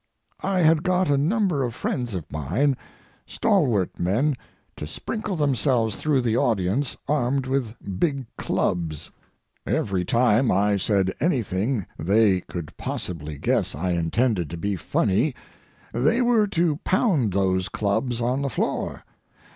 I had got a number of friends of mine, stalwart men, to sprinkle themselves through the audience armed with big clubs. Every time I said anything they could possibly guess I intended to be funny they were to pound those clubs on the floor.